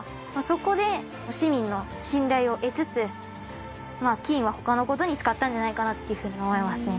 そこで市民の信頼を得つつ金は他の事に使ったんじゃないかなっていう風に思いますね。